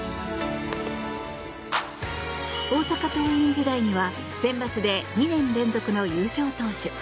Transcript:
大阪桐蔭時代にはセンバツで２年連続の優勝投手。